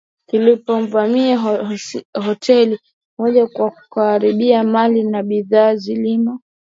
kilipovamia hoteli moja na kuharibu mali na bidhaa zilimo